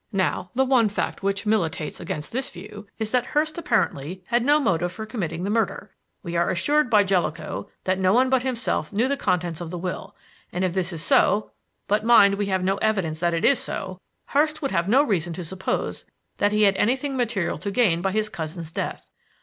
Now the one fact which militates against this view is that Hurst apparently had no motive for committing the murder. We are assured by Jellicoe that no one but himself knew the contents of the will, and if this is so but mind, we have no evidence that it is so Hurst would have no reason to suppose that he had anything material to gain by his cousin's death.